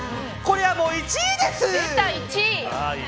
これはもう１位です。